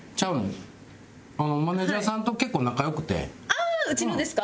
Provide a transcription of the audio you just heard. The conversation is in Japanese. ああうちのですか？